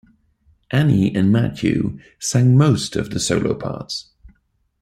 Annie and Matthew sang most of the solo parts.